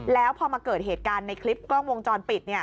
แล้วพอมาเกิดเหตุการณ์ในคลิปกล้องวงจรปิด